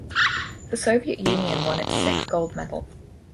The Soviet Union won its sixth gold medal.